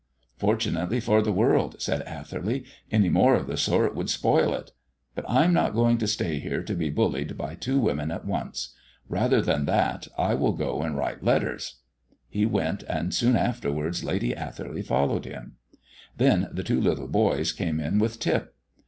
"Fortunately for the world," said Atherley; "any more of the sort would spoil it. But I am not going to stay here to be bullied by two women at once. Rather than that, I will go and write letters." He went, and soon afterwards Lady Atherley followed him. Then the two little boys came in with Tip.